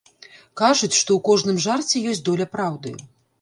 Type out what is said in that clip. Кажуць, што ў кожным жарце ёсць доля праўды.